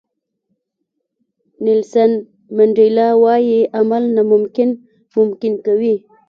نیلسن منډیلا وایي عمل ناممکن ممکن کوي.